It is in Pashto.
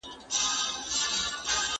د هغه سړي څېړنه له حقیقته لرې وه.